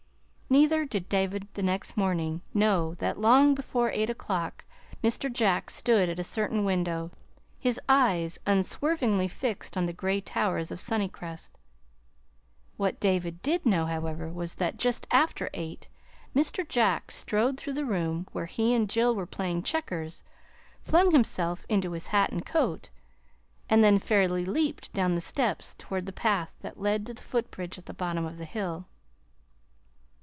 Neither did David, the next morning, know that long before eight o'clock Mr. Jack stood at a certain window, his eyes unswervingly fixed on the gray towers of Sunnycrest. What David did know, however, was that just after eight, Mr. Jack strode through the room where he and Jill were playing checkers, flung himself into his hat and coat, and then fairly leaped down the steps toward the path that led to the footbridge at the bottom of the hill.